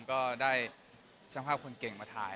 ก็ได้ช่างภาพคนเก่งมาถ่าย